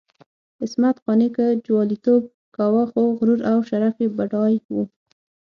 عصمت قانع که جواليتوب کاوه، خو غرور او شرف یې بډای وو.